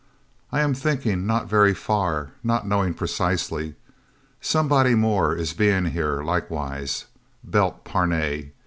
"I am thinking not very far not knowing precisely. Somebody more is being here, likewise. Belt Parnay.